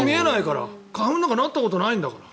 花粉なんかなったことないんだから。